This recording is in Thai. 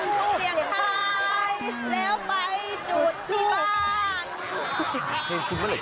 ทุกเสียงไทยและไปสูงที่บ้าน